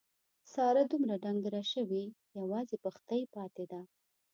ساره دومره ډنګره شوې یوازې پښتۍ پاتې ده.